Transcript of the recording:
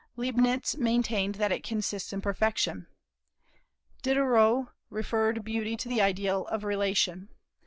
Leibnitz maintained that it consists in perfection. Diderot referred beauty to the idea of relation.